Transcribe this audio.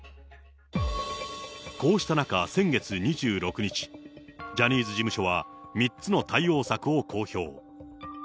こうした中、先月２６日、ジャニーズ事務所は、３つの対応策を公表。